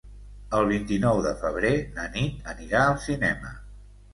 El vint-i-nou de febrer na Nit anirà al cinema.